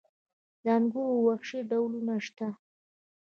د انګورو وحشي ډولونه شته؟